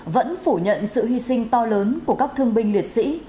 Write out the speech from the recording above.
vẫn phủ nhận sự hy sinh to lớn của các thương binh liệt sĩ